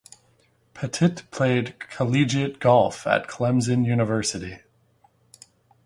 Pettit played collegiate golf at Clemson University.